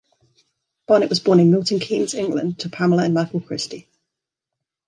Barnett was born in Milton Keynes, England to Pamela and Michael Christie.